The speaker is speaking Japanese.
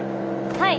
はい。